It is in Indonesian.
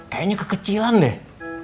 kayaknya kekecilan deh